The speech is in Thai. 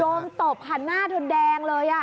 โดนตบค่ะหน้าทนแดงเลย